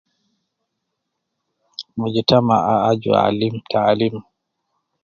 Mujtamaa aju ahh aju alim taalim.